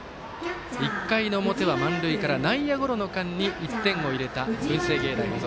１回の表は、満塁から内野ゴロの間に１点を入れた文星芸大付属。